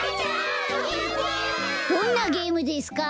どんなゲームですか？